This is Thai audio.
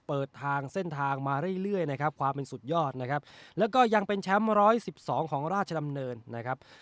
เปิดทางเส้นทางมาเรื่อยนะครับความเป็นสุดยอดนะครับแล้วก็ยังเป็นแชมป์๑๑๒ของราชดำเนินนะครับ